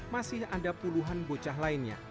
masih ada puluhan bocah lainnya